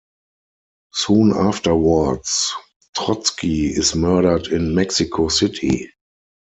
Soon afterwards, Trotsky is murdered in Mexico City.